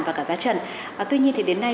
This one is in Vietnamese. và cả giá trần tuy nhiên thì đến nay